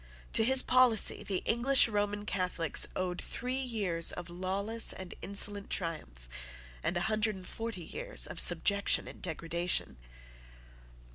To his policy the English Roman Catholics owed three years of lawless and insolent triumph, and a hundred and forty years of subjection and degradation.